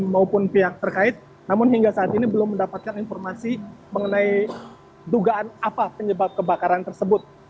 maupun pihak terkait namun hingga saat ini belum mendapatkan informasi mengenai dugaan apa penyebab kebakaran tersebut